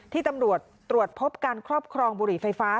ตำรวจตรวจพบการครอบครองบุหรี่ไฟฟ้า